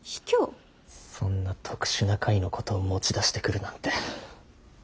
そんな特殊な回のことを持ち出してくるなんて。